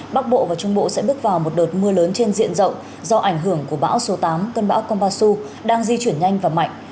bắc bộ và trung bộ sẽ bước vào một đợt mưa lớn trên diện rộng do ảnh hưởng của bão số tám cơn bão kombasu đang di chuyển nhanh và mạnh